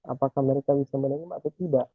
apakah mereka bisa menerima atau tidak